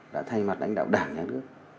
đã thay mặt đánh đạo đảng nhà nước